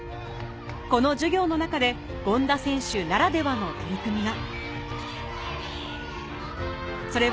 この授業の中で権田選手ならではの取り組みがそれは